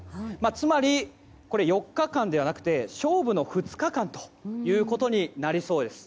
つまり４日間ではなくて勝負の２日間となりそうです。